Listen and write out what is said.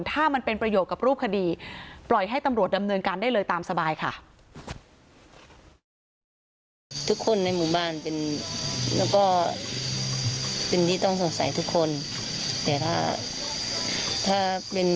ถ้ามันเป็นประโยชน์กับรูปคดีปล่อยให้ตำรวจดำเนินการได้เลยตามสบายค่ะ